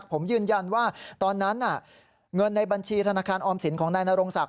ผมยืนยันว่าตอนนั้นเงินในบัญชีธนาคารออมสินของนายนรงศักดิ